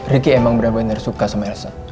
ricky emang benar benar suka sama elsa